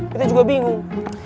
betta juga bingung